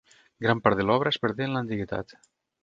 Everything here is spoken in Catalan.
Gran part de l'obra es perdé en l'antiguitat.